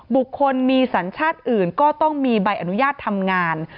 บุคคลมีสัญชาติอื่นก็ต้องมีใบอนุญาตทำงาน